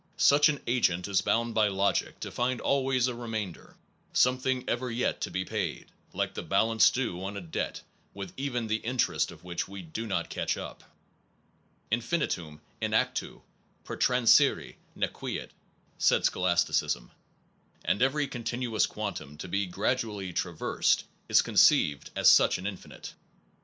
Such an agent is bound by logic to find always a remainder, something ever yet to be paid, like the balance due on a debt \vith even the interest of which we do not catch up. Infinitum in actu pertransiri nequit, 9 said scholasticism; and every continuous quantum The grow to ^ e gradually traversed is conceived ing infin as ^ an j n fi n jte.